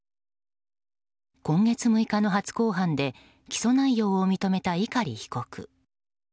今月６日の初公判で起訴内容を認めた碇被告。